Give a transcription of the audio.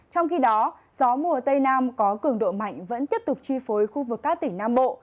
trong khi đó gió mùa tây nam có cường độ mạnh vẫn tiếp tục chi phối khu vực các tỉnh nam bộ